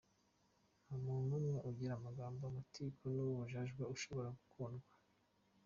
Nta muntu n’umwe ugira amagambo, amatiku n’ubujajwa ushobora gukundwa.